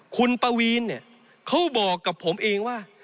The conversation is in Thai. คุณปวีนเขาบอกกับผมเองว่า